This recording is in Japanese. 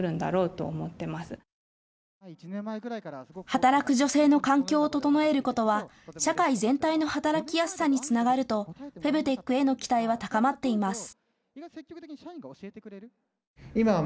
働く女性の環境を整えることは社会全体の働きやすさにつながるとフェムテックへの期待は高まっています。